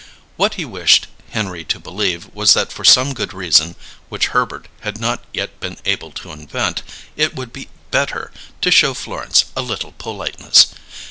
What he wished Henry to believe was that for some good reason, which Herbert had not yet been able to invent, it would be better to show Florence a little politeness.